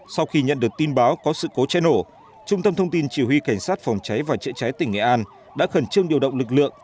sau khi nhận được tin báo có sự cố cháy nổ trung tâm thông tin chỉ huy cảnh sát phòng cháy và chữa cháy tỉnh nghệ an đã khẩn trương điều động lực lượng